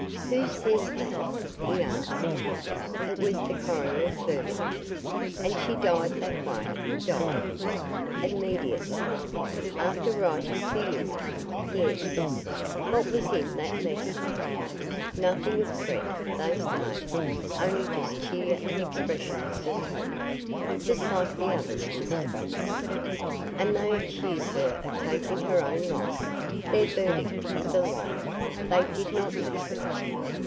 "Who says that?" he asked. "It was the coroner's verdict." "And she died that way died?" "Immediately." "After writing to you?" "Yes." "What was in that letter?" "Nothing of threat, they say. Only just cheer and expressions of hope. Just like the others, Mr. Brotherson." "And they accuse her of taking her own life? Their verdict is a lie. They did not know her."